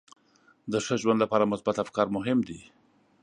د ښه ژوند لپاره مثبت افکار مهم دي.